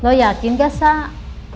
lo yakin gak sak